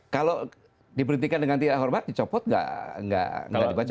kalau diberhentikan dengan tidak hormat dicopot nggak dibacakan